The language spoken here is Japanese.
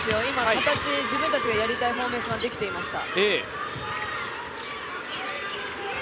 形、自分たちがやりたいフォーメーションができていました。